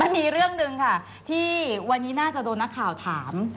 มีเรื่องหนึ่งค่ะที่วันนี้น่าจะโดนนักข่าวถาม